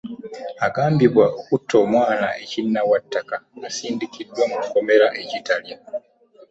Agambibwa okutta omwana e Kinnawataka asindikiddwa mu kkomera e Kitalya.